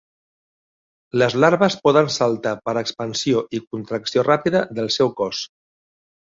Les larves poden saltar per expansió i contracció ràpida del seu cos.